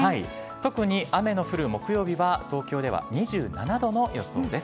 特に雨の降る木曜日は、東京では２７度の予想です。